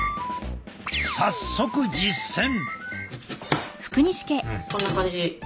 早速実践！